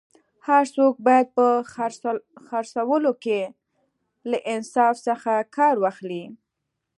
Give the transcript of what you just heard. هر څوک باید په خرڅولو کي له انصاف څخه کار واخلي